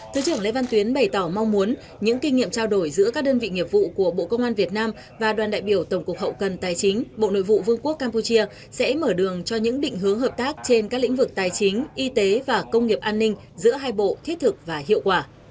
thứ trưởng lê văn tuyến bày tỏ mong muốn những kinh nghiệm trao đổi giữa các đơn vị nghiệp vụ của bộ công an việt nam và đoàn đại biểu tổng cục hậu cần tài chính bộ nội vụ vương quốc campuchia sẽ mở đường cho những định hướng hợp tác trên các lĩnh vực tài chính y tế và công nghiệp an ninh giữa hai bộ thiết thực và hiệu quả